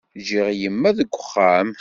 Ǧǧiɣ imma deg uxxam.